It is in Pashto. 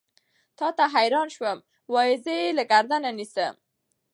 تا ته حېران شوم وائې زۀ يې له ګردنه نيسم